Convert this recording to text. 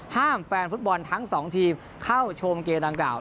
แฟนฟุตบอลทั้งสองทีมเข้าชมเกมดังกล่าว